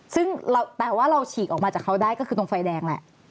ซึ่งแปลว่าเราฉีกออกมาจากเขาได้ก็คือตรงไฟแดงแหละ